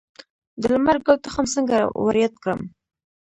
د لمر ګل تخم څنګه وریت کړم؟